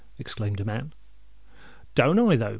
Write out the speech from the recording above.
exclaimed a man. "Don't I, though?"